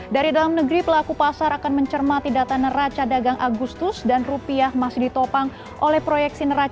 dari dalam negeri pelaku pasar akan mencermati data neraca dagang agustus dan rupiah masih ditopang oleh proyeksi neraca